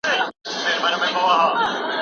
که موضوع جالب وي نو هر څوک یې په شوق سره لولي.